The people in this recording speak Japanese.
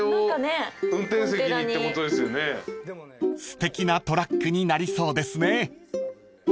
［すてきなトラックになりそうですね］